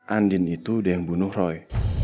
andin itu udah yang bunuh roy